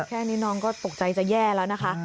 แค่นี้น้องก็ตกใจจะแย่แล้วนะคะ